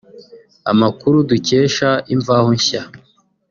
Amakuru dukesha Imvaho Nshya